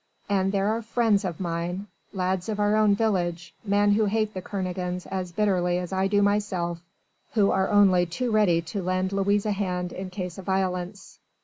And there are friends of mine lads of our own village, men who hate the Kernogans as bitterly as I do myself who are only too ready to lend Louise a hand in case of violence.